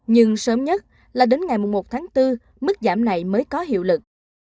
nhưng sớm nhất là đến ngày một tháng bốn mức giảm này mới có hiệu lực